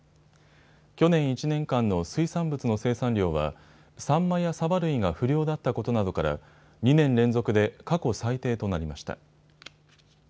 去年１年間の水産物の生産量はサンマやサバ類が不漁だったことなどから２年連続で過去最低となりました。